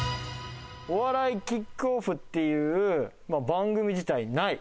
「お笑いキックオフ」っていう番組自体ない。